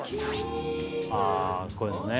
あぁこういうのね。